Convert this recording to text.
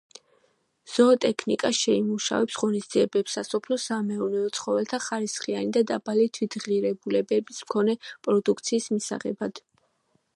ზოოტექნიკა შეიმუშავებს ღონისძიებებს სასოფლო-სამეურნეო ცხოველთა ხარისხიანი და დაბალი თვითღირებულების მქონე პროდუქციის მისაღებად.